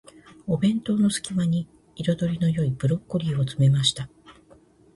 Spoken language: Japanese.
お弁当の隙間に、彩りの良いブロッコリーを詰めました。